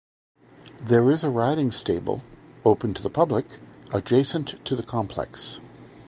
There is a riding stables, open to the public, adjacent to the complex.